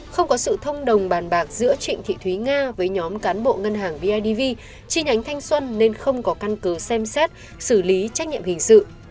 không có sự thông đồng bàn bạc giữa trịnh thị thúy nga với nhóm cán bộ ngân hàng bidv chi nhánh thanh xuân nên không có căn cứ xem xét xử lý trách nhiệm hình sự